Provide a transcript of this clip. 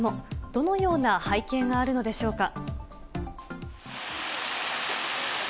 どのような背景があるのでしょうか。